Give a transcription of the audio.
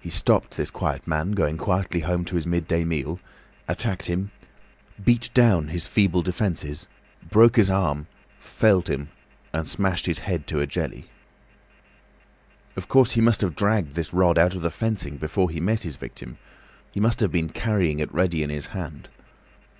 He stopped this quiet man, going quietly home to his midday meal, attacked him, beat down his feeble defences, broke his arm, felled him, and smashed his head to a jelly. Of course, he must have dragged this rod out of the fencing before he met his victim—he must have been carrying it ready in his hand.